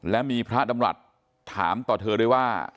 และมีพระดำรัฐถามต่อเธอด้วยว่า